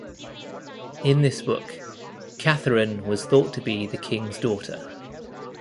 In this book, Catherine was thought to be the king's daughter.